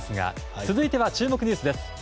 続いては注目ニュースです。